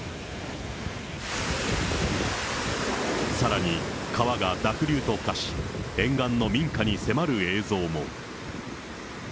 さらに川が濁流と化し、沿岸の民家に迫る映像も。